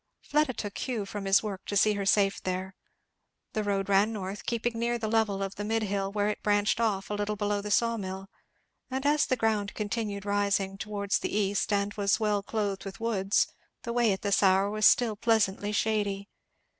Fleda took Hugh from his work to see her safe there. The road ran north, keeping near the level of the mid hill where it branched off a little below the saw mill; and as the ground continued rising towards the east and was well clothed with woods, the way at this hour was still pleasantly shady.